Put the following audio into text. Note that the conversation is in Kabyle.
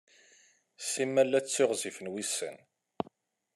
Simal la ttiɣzifen wussan.